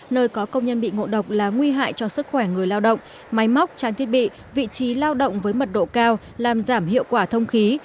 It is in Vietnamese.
nơi có công nhân bị ngộ độc là nguy hại cho sức khỏe người lao động máy móc trang thiết bị vị trí lao động với mật độ cao làm giảm hiệu quả thông khí